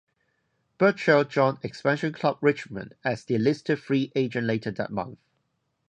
Burchell joined expansion club Richmond as delisted free agent later that month.